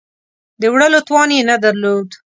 د وړلو توان یې نه درلود.